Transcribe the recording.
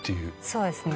そうですね。